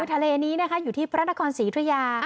ทะเลนี้นะคะอยู่ที่พระนครศรีธุยา